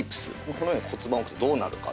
この上に骨盤を置くとどうなるか？